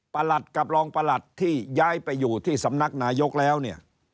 หลัดกับรองประหลัดที่ย้ายไปอยู่ที่สำนักนายกแล้วเนี่ย